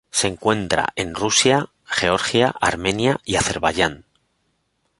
Se encuentra en Rusia, Georgia, Armenia y Azerbaiyán.